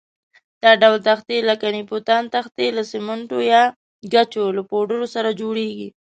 دا ډول تختې لکه نیوپان تختې له سمنټو یا ګچو له پوډر سره جوړېږي.